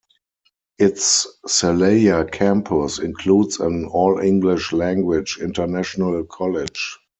Its Salaya campus includes an all-English language international college.